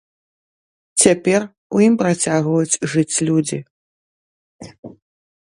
Цяпер у ім працягваюць жыць людзі.